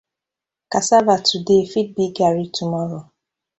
Cassava today fit be Garri tomorrow.